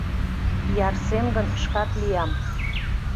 Ярсем гын, шкат лиям.